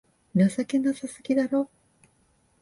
情けなさすぎだろ